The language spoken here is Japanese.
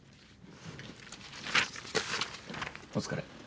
お疲れ。